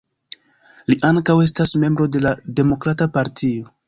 Li ankaŭ estas membro de la Demokrata Partio.